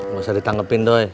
gak usah ditanggepin doi